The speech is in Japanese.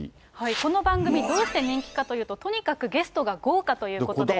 この番組、どうして人気かというと、とにかくゲストが豪華ということで。